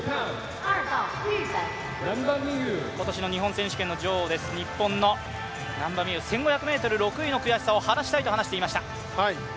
今年の日本選手権の女王です、日本の難波実夢、１５００ｍ、６位の悔しさを晴らしたいと話していました。